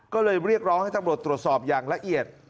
ก็เลยเรียกร้องให้ตำรวจตรวจสอบอย่างละเอียด